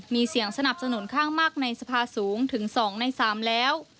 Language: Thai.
มีเสียงสนับสนุนข้างมากในสภาสูงถึง๒ใน๓แล้ว